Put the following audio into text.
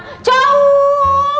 pasti juga lebih gantengan